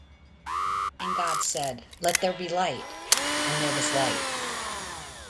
And God said, Let there be light: and there was light.